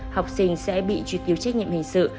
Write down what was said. học sinh sẽ bị truy cứu trách nhiệm hình sự